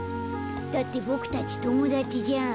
だってボクたちともだちじゃん。